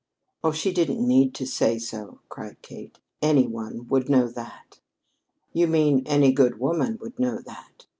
"Oh, she didn't need to say so!" cried Kate. "Any one would know that." "You mean, any good woman would know that.